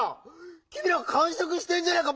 きみらかんしょくしてんじゃないか！